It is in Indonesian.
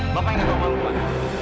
bapak yang ketawa malu pak